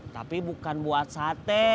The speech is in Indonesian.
tapi bukan buat sate